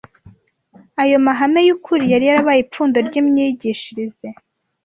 Ayo mahame y’ukuri yari yarabaye ipfundo ry’imyigishirize